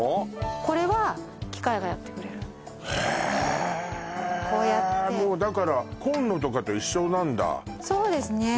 これは機械がやってくれるへえこうやってもうだからコンロとかと一緒なんだそうですね